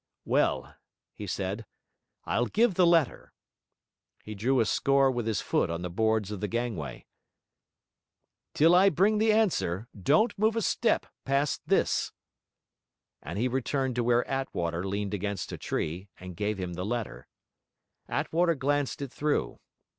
'Well,' he said, 'I'll give the letter.' He drew a score with his foot on the boards of the gangway. 'Till I bring the answer, don't move a step past this.' And he returned to where Attwater leaned against a tree, and gave him the letter. Attwater glanced it through.